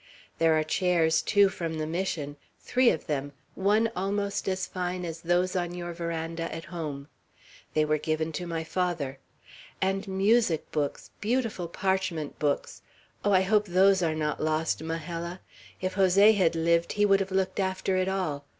There are chairs, too, from the Mission, three of them, one almost as fine as those on your veranda at home. They were given to my father. And music books, beautiful parchment books! Oh, I hope those are not lost, Majella! If Jose had lived, he would have looked after it all.